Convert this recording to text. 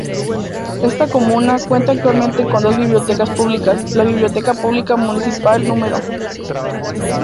Esta comuna cuenta actualmente con dos bibliotecas públicas, la Biblioteca Pública Municipal N°.